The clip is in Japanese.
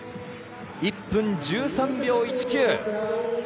１分１３秒１９。